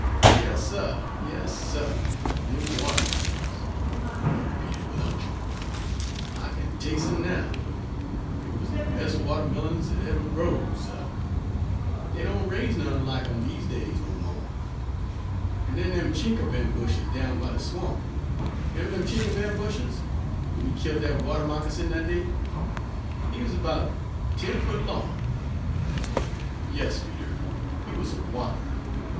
"Yas, suh, yas, suh, dem watermillions," he repeated with unction, "I kin tas'e 'em now! Dey wuz de be's watermillions dat evuh growed, suh dey doan raise none lack 'em dese days no mo'. An' den dem chinquapin bushes down by de swamp! 'Member dem chinquapin bushes, whar we killt dat water moccasin dat day? He wuz 'bout ten foot long!" "Yes, Peter, he was a whopper!